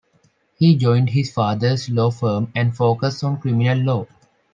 He joined his father's law firm and focused on criminal law.